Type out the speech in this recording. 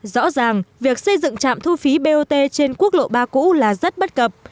rõ ràng việc xây dựng trạm thu phí bot trên quốc lộ ba cũ là rất bất cập